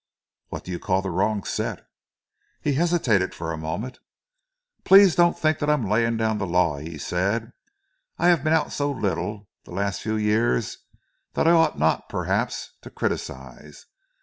"What do you call the wrong set?" He hesitated for a moment. "Please don't think that I am laying down the law," he said. "I have been out so little, the last few years, that I ought not, perhaps, to criticise.